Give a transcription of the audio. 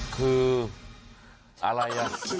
คืออะไรอ่ะ